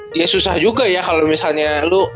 dia susah juga ya kalau misalnya lu